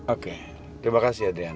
oke terima kasih ya diana